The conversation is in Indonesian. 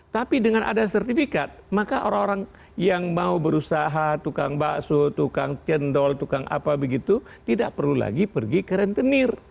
tapi dengan ada sertifikat maka orang orang yang mau berusaha tukang bakso tukang cendol tukang apa begitu tidak perlu lagi pergi ke rentenir